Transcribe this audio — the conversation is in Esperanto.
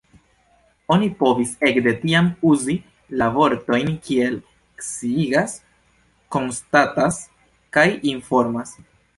Oni povis ekde tiam uzi la vortojn kiel „sciigas“, „konstatas“ kaj „informas“.